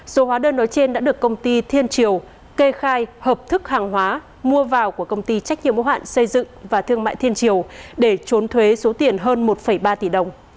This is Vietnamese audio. số hóa đơn nói trên đã được công ty thiên triều kê khai hợp thức hàng hóa mua vào của công ty trách nhiệm mô hạn xây dựng và thương mại thiên triều để trốn thuế số tiền hơn một ba tỷ đồng